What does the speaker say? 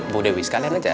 bu dewi sekalian aja